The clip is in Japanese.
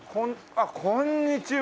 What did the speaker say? あっこんにちは。